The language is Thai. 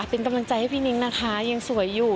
เป็นกำลังใจให้พี่นิ้งนะคะยังสวยอยู่